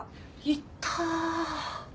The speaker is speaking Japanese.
いった！